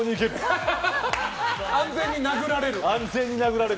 安全に殴られる。